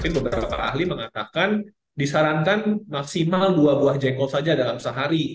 beberapa ahli mengatakan disarankan maksimal dua buah jengkol saja dalam sehari